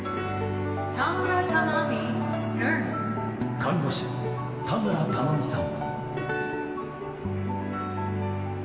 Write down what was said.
看護師、田村玉美さん。